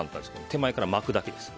手前から巻くだけです。